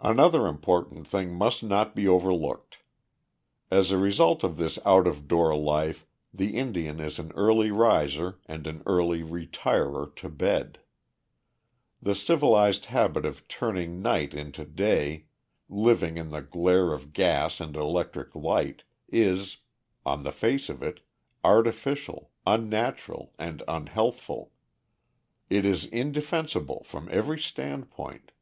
Another important thing must not be overlooked. As a result of this out of door life the Indian is an early riser and an early retirer to bed. The civilized habit of turning night into day, living in the glare of gas and electric light, is, on the face of it, artificial, unnatural, and unhealthful. It is indefensible from every standpoint.